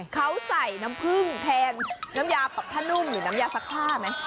เขาใส่น้ำผึ้งแทนน้ำยาปรับผ้านุ่มหรือน้ำยาซักผ้าไหม